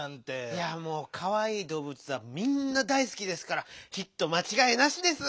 いやもうかわいいどうぶつはみんな大すきですからヒットまちがいなしです！